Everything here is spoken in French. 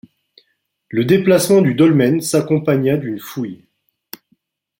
Le déplacement du dolmen s'accompagna d'une fouille.